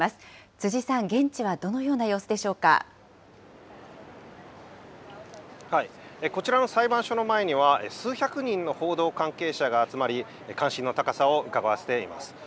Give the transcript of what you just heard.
辻さん、現地はどのような様子でこちらの裁判所の前には、数百人の報道関係者が集まり、関心の高さをうかがわせています。